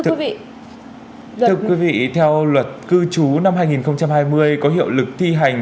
thưa quý vị theo luật cư trú năm hai nghìn hai mươi có hiệu lực thi hành